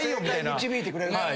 導いてくれそう。